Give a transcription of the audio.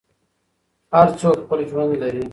هر څوک خپل ژوند لري.